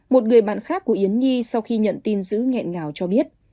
một người bạn khác của yến nhi sau khi nhận tin giữ nghẹn ngào cho biết